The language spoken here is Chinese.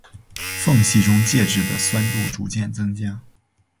缝隙中介质的酸度逐渐增加。